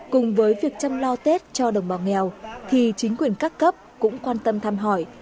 cùng với việc chăm lo tết cho đồng bào nghèo thì chính quyền các cấp cũng quan tâm thăm hỏi